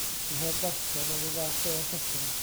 Dw i heb ddarllen am y fath beth eto.